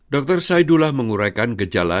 dr saidullah menguraikan gejala